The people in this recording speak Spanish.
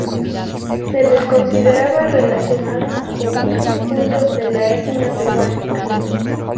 Se les consideraba relacionada o un subconjunto de la etnia peruana piro.